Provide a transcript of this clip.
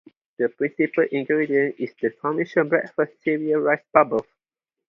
The principal ingredient is the commercial breakfast cereal Rice Bubbles.